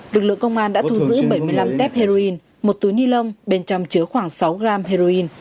lực lượng công an đã thu giữ bảy mươi năm tép heroin một túi ni lông bên trong chứa khoảng sáu gram heroin